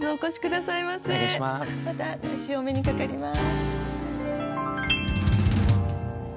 また来週お目にかかります。